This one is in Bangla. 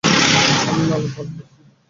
আমি লালন-পালন করেছি।